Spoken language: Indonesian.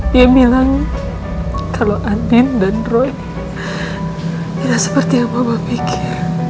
dia bilang kalau adin dan roy tidak seperti yang papa pikir